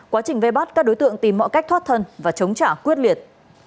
quá trình vây bắt các đối tượng tìm mọi cách thoát thân và chống trả quyết liệt